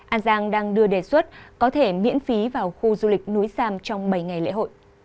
an giang đang đưa đề xuất có thể miễn phí vào khu du lịch núi sam trong bảy ngày lễ hội